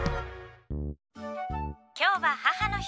今日は母の日。